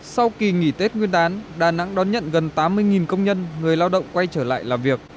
sau kỳ nghỉ tết nguyên đán đà nẵng đón nhận gần tám mươi công nhân người lao động quay trở lại làm việc